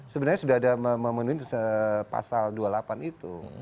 sebenarnya sudah ada memenuhi pasal dua puluh delapan itu